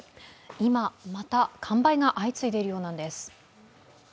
今、また完売が相次いでいるようなんです。